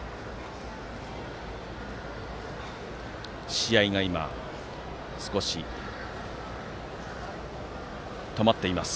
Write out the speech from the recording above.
試合が、少し止まっています。